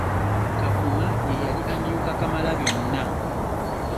Kavuma ye yali amyuka Kamalabyonna.